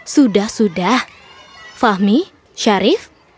sudah sudah fahmi syarif